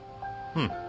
うん。